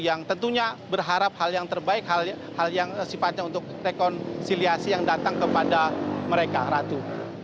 yang tentunya berharap hal yang terbaik hal yang sifatnya untuk rekonsiliasi yang datang kepada mereka ratu